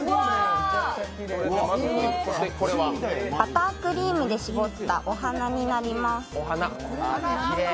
バタークリームで絞ったお花になります。